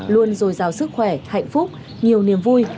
luôn dồi dào sức khỏe hạnh phúc nhiều niềm vui